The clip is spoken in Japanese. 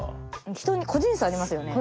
人に個人差ありますよね。